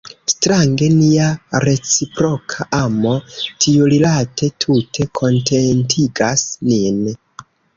Strange, nia reciproka amo tiurilate tute kontentigas nin.